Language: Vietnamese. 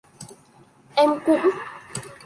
Em cũng